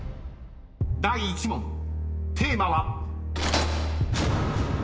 ［第１問テーマは］